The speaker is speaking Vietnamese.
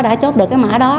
đã chốt được cái mã đó